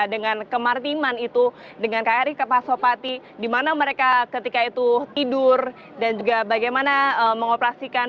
dengan kemartiman itu dengan kri pasopati di mana mereka ketika itu tidur dan juga bagaimana mengoperasikan